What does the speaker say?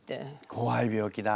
こわい病気だ。